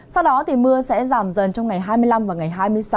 sau đó thì mưa sẽ giảm dần trong ngày hai mươi năm và ngày hai mươi sáu